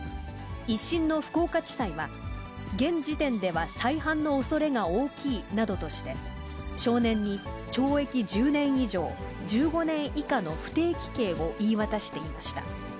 １審の福岡地裁は、現時点では再犯のおそれが大きいなどとして、少年に懲役１０年以上、１５年以下の不定期刑を言い渡していました。